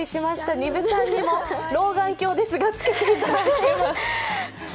丹生さんにも老眼鏡ですが、つけていただいています。